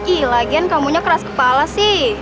ih lagian kamunya keras kepala sih